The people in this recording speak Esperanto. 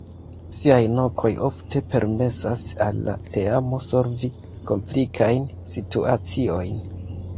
Ŝiaj konoj ofte permesas al la teamo solvi komplikajn situaciojn.